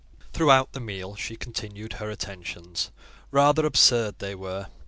Throughout the meal she continued her attentions: rather absurd they were.